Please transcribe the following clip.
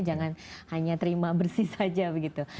jangan hanya terima bersih saja begitu